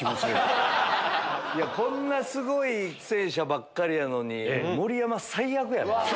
こんなすごい出演者ばかりやのに盛山最悪やな。